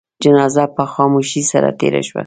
جنازه په خاموشی سره تېره شوه.